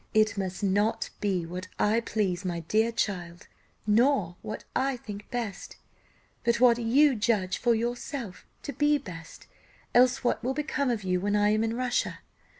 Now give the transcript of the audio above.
"It must not be what I please, my dear child, nor what I think best, but what you judge for yourself to be best; else what will become of you when I am in Russia?